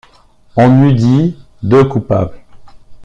On eût dit deux coupables.